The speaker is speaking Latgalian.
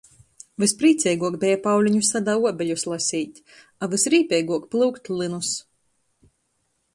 Vysprīceiguok beja Pauliņu sadā uobeļus laseit, a vysrībeiguok plyukt lynus.